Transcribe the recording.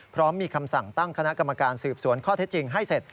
พร้อมมีคำสั่งตั้งคณะกรรมการสืบสวนข้อเท็จจริงให้เสร็จ